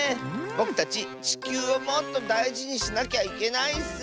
ぼくたちちきゅうをもっとだいじにしなきゃいけないッス！